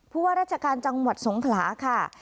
พวกราชการจังหวัดสงคราค่ะ